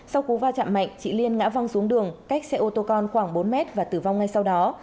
sau cú va chạm mạnh chị liên ngã văng xuống đường cách xe ô tô con khoảng bốn mét và tử vong ngay sau đó